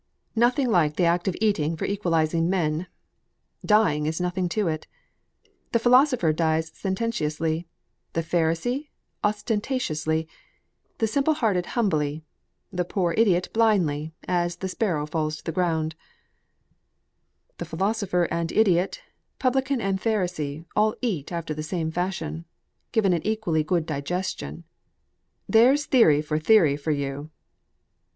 "Nothing like the act of eating for equalising men. Dying is nothing to it. The philosopher dies sententiously the pharisee ostentatiously the simple hearted humbly the poor idiot blindly, as the sparrow falls to the ground; the philosopher and idiot, publican and pharisee, all eat after the same fashion given an equally good digestion. There's theory for theory for you!"